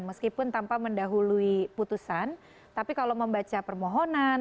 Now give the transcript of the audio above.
meskipun tanpa mendahului putusan tapi kalau membaca permohonan